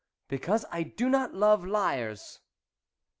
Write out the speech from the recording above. " Because I do not love liars."